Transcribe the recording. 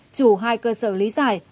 chủ hai cơ sở lý giải